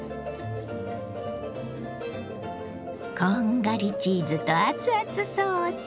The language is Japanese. こんがりチーズと熱々ソース。